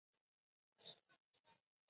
也希望她能参加下一次的活动。